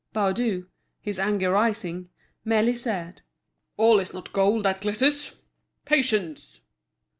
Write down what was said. Baudu, his anger rising, merely said: "All is not gold that glitters. Patience!"